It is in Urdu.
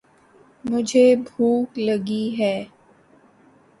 مجھے بھوک لگی ہے۔